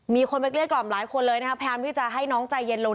มีคนไปเกลี้ยกล่อมหลายคนเลยนะครับพยายามที่จะให้น้องใจเย็นลง